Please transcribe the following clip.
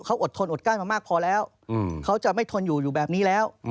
เขาอดทนอดก้านมามากพอแล้วเขาจะไม่ทนอยู่อยู่แบบนี้แล้ว